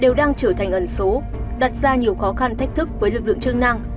đều đang trở thành ẩn số đặt ra nhiều khó khăn thách thức với lực lượng chức năng